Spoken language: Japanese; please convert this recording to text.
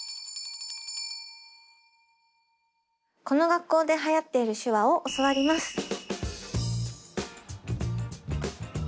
この学校で流行っている手話を教わります。